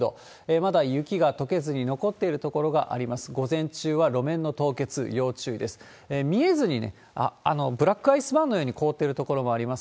まだ雪がとけずに残っている所があります。